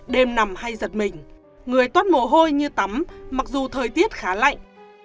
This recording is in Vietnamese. đêm nằm hay giật mình người toát mồ hôi như tắm mặc dù thời tiết khá lạnh